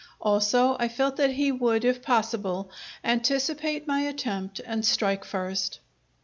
Also, I felt that he would, if possible, anticipate my attempt and strike first.